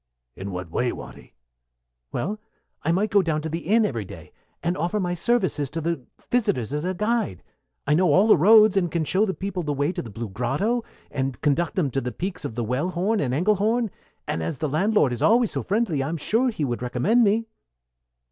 "In what way, Watty?" "Well, I might go down to the inn every day, and offer my services to the visitors as a guide. I know all the roads, and can show the people the way to the Blue Grotto, or conduct them to the peaks of the Wellhorn and Engelhorn; and as the landlord is always so friendly, I'm sure he would recommend me."